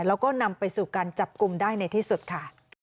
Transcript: แล้วก็นำไปสู่การจับกลุ่มได้ในที่สุดค่ะ